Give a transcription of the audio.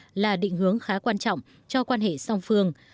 đây là một thách thức khá quan trọng cho quan hệ song phương